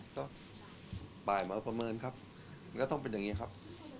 ก็บ่ายหมอประเมินครับมันก็ต้องเป็นอย่างนี้ครับ